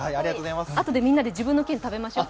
あとでみんなで自分の県、食べましょう。